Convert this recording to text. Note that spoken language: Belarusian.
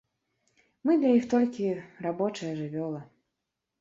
Мы для іх толькі рабочая жывёла.